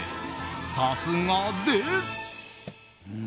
さすがです。